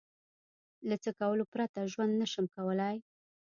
له څه کولو پرته ژوند نشم کولای؟